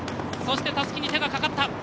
そして、たすきに手がかかった。